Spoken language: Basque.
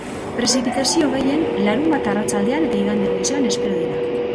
Prezipitazio gehien larunbat arratsaldean eta igande goizean espero dira.